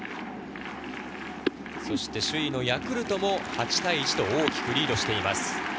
首位のヤクルトも８対１と大きくリードしています。